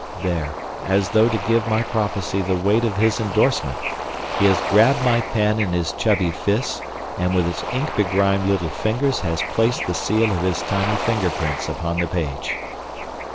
There—as though to give my prophecy the weight of his endorsement—he has grabbed my pen in his chubby fists and with his inkbegrimed little fingers has placed the seal of his tiny finger prints upon the page.